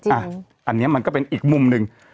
อันนี้มันก็เป็นอีกมุมหนึ่ง